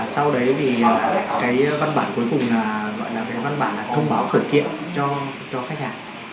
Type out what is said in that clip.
sau đấy thì cái văn bản cuối cùng là gọi là cái văn bản là thông báo khởi kiện cho khách hàng